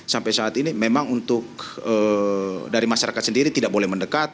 sampai saat ini memang untuk dari masyarakat sendiri tidak boleh mendekat